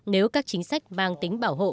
nếu các chính sách mang tính bảo hộ